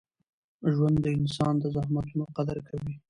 ژوند د انسان د زحمتونو قدر کوي.